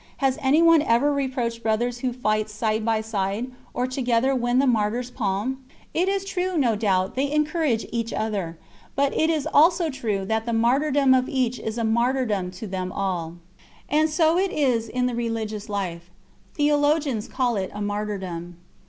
Has anyone ever reproached brothers who fight side by side, or together win the martyr's palm? It is true, no doubt, they encourage each other; but it is also true that the martyrdom of each is a martyrdom to them all. And so it is in the religious life; theologians call it a martyrdom.